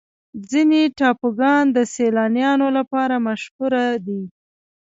ځینې ټاپوګان د سیلانیانو لپاره مشهوره دي.